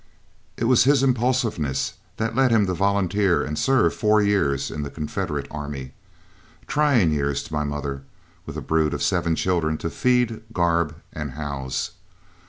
It was his impulsiveness that led him to volunteer and serve four years in the Confederate army, trying years to my mother, with a brood of seven children to feed, garb, and house.